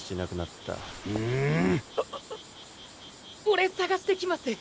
俺捜してきます！